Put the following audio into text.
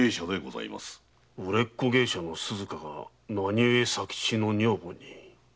売れっ子芸者の鈴華が何故佐吉の女房に？